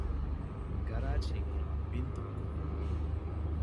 ގަރާޖް ހިންގުމަށް ބިންދޫކުރުން